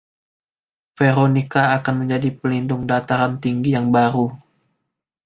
Veronica akan menjadi Pelindung Dataran Tinggi yang baru.